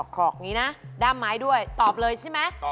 ขอกอย่างนี้นะด้ามไม้ด้วยตอบเลยใช่ไหม